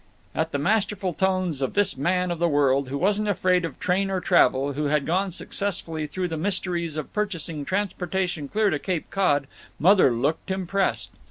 At the masterful tones of this man of the world, who wasn't afraid of train or travel, who had gone successfully through the mysteries of purchasing transportation clear to Cape Cod, Mother looked impressed.